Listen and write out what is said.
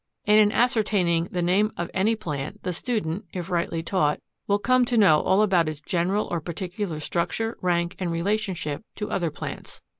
And in ascertaining the name of any plant, the student, if rightly taught, will come to know all about its general or particular structure, rank, and relationship to other plants.